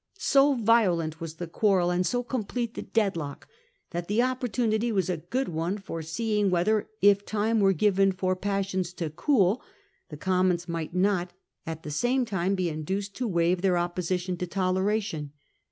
So violent was the quarrel, and so complete the deadlock, that the opportunity was a good one for seeing whether, if time were given for passions to cool, the Commons might not at the same time be induced to waive their opposition to toleration.